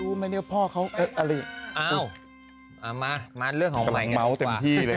รู้ไหมเนี่ยพ่อเขาเอ่อเอามามาเรื่องของไหมกำลังเมาส์เต็มที่เลย